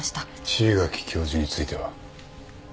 椎垣教授については？